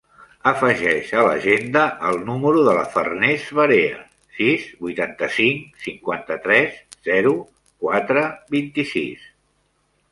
Afegeix a l'agenda el número de la Farners Barea: sis, vuitanta-cinc, cinquanta-tres, zero, quatre, vint-i-sis.